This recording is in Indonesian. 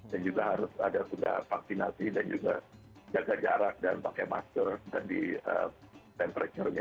dan juga harus ada juga vaksinasi dan juga jaga jarak dan pakai masker dan di temperature nya